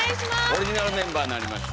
オリジナルメンバーになりました。